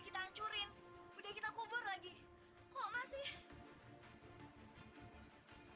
jalan kung saya ingin kamu berhenti mempermainkan saya